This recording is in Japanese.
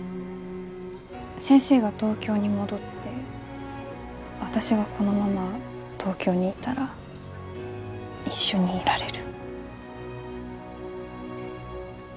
先生が東京に戻って私がこのまま東京にいたら一緒にいられる。